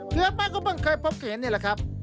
คือป้าก็เพิ่งเคยพบเห็นนี่แหละครับ